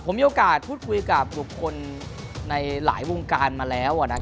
มีคนในหลายวงการมาแล้ว